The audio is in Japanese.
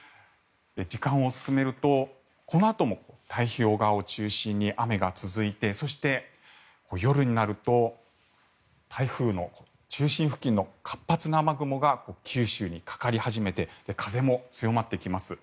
時間を進めるとこのあとも太平洋側を中心に雨が続いてそして夜になると台風の中心付近の活発な雨雲が九州にかかり始めて風も強まってきます。